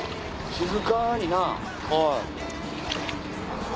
静かにな。